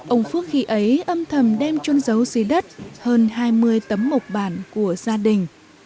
ông phước khi ấy âm thầm đem trôn dấu dưới đất hơn hai mươi tấm mộc bản của gia đình